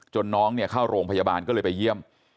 น้องเข้าโรงพยาบาลก็เลยไปเยี่ยม